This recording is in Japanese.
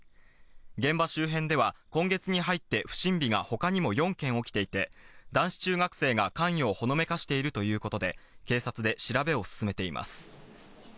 現場周辺では今月に入って不審火が他にも４件起きていて、男子中学生が関与をほのめかしているということで、警察で調べを進めています。